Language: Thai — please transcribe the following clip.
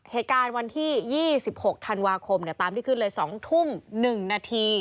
เหตุการณ์วันที่ยี่สิบหกธันวาคมเนี่ยตามที่ขึ้นเลยสองทุ่มหนึ่งนาที